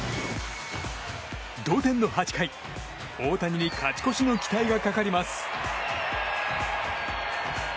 同点の８回、大谷に勝ち越しの期待がかかります。